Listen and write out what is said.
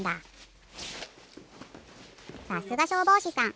さすがしょうぼうしさん。